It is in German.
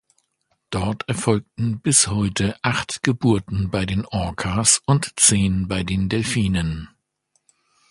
Dort erfolgten bis heute acht Geburten bei den Orcas und zehn bei den Delfinen.